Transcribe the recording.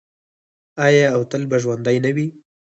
آیا او تل به ژوندی نه وي؟